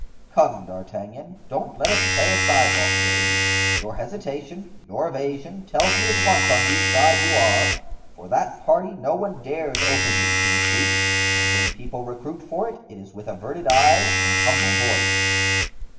"Come, D'Artagnan, don't let us play a sidelong game; your hesitation, your evasion, tells me at once on whose side you are; for that party no one dares openly to recruit, and when people recruit for it, it is with averted eyes and humble voice."